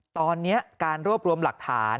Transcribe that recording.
ตอนนี้การรวบรวมหลักฐาน